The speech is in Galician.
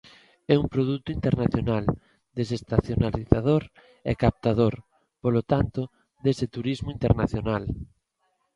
É un produto internacional, desestacionalizador e captador, polo tanto, dese turismo internacional.